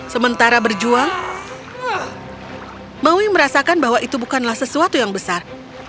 sementara berjuang maui merasakan bahwa itu bukanlah sesuatu yang besar